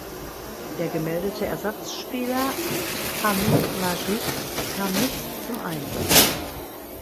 Der gemeldete Ersatzspieler Abd Hamid Majid kam nicht zum Einsatz.